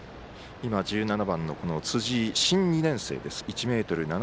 １７番の辻井、新２年生。